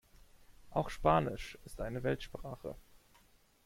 Auch Spanisch ist eine Weltsprache.